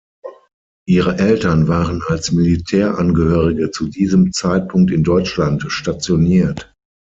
Ihre Eltern waren als Militärangehörige zu diesem Zeitpunkt in Deutschland stationiert.